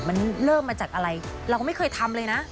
มันเริ่มมาจากอะไรเราก็ไม่เคยทำเลยนะ